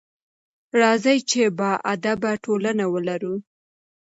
راځئ چې باادبه ټولنه ولرو.